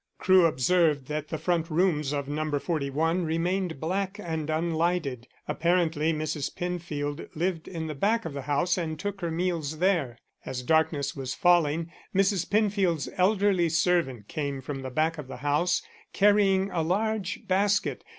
Crewe observed that the front rooms of No. 41 remained black and unlighted: apparently Mrs. Penfield lived in the back of the house and took her meals there. As darkness was falling, Mrs. Penfield's elderly servant came from the back of the house, carrying a large basket.